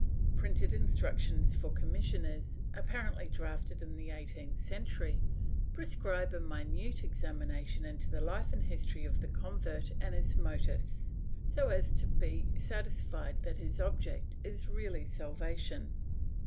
Printed instructions for commissioners, apparently drafted in the eighteenth century, prescribe a minute examination into the life and history of the convert and his motives, so as to be satisfied that his object is really salvation.